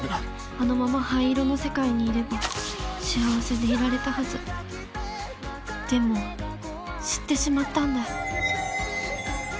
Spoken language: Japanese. あのまま灰色の世界にいれば幸せでいられたはずでも知ってしまったんだ